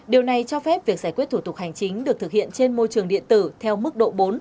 điều này cho phép việc giải quyết thủ tục hành chính được thực hiện trên môi trường điện tử theo mức độ bốn